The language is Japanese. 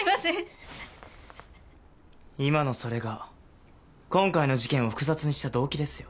今のそれが今回の事件を複雑にした動機ですよ。